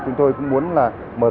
chúng tôi cũng muốn làm